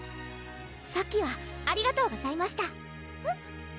さっきはありがとうございましたえっ？